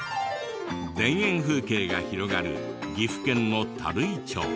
田園風景が広がる岐阜県の垂井町。